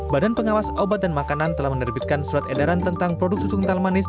badan pengawas obat dan makanan telah menerbitkan surat edaran tentang produk susu kental manis